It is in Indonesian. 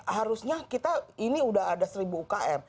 karena kita ini sudah ada seribu ukm